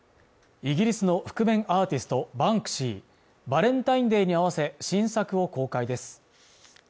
イギリスの覆面アーティスト、バンクシーバレンタインデーに合わせ新作を公開です